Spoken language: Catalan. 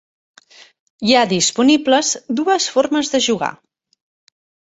Hi ha disponibles dues formes de jugar.